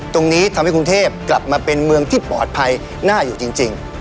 ตรงนี้ทำให้กรุงเทพกลับมาเป็นเมืองที่ปลอดภัยน่าอยู่จริง